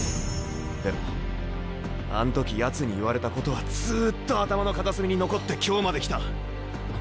でもあん時やつに言われたことはずっと頭の片隅に残って今日まで来た。